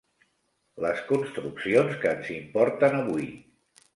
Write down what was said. les construccions que ens importen avui.